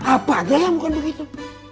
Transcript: apa aja yang bukan begitu